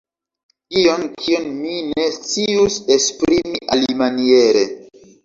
Ion, kion mi ne scius esprimi alimaniere.